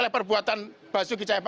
kesehatan umum dan sebagainya